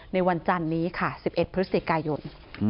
ในวันจันนี้ค่ะ๑๑พฤษฐกายน